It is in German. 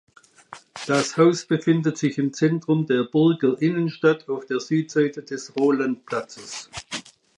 Das Haus befindet sich im Zentrum der Burger Innenstadt auf der Südseite des Rolandplatzes.